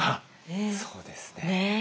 そうですね。